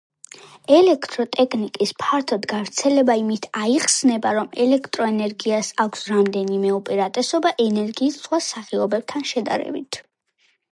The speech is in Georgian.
ელექტროტექნიკის ფართოდ გავრცელება იმით აიხსნება, რომ ელექტროენერგიას აქვს რამდენიმე უპირატესობა ენერგიის სხვა სახეობებთან შედარებით.